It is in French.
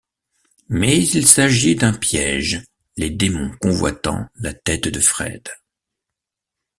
Mais il s'agit d'un piège, les démons convoitant la tête de Fred.